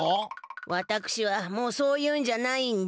わたくしはもうそういうんじゃないんで。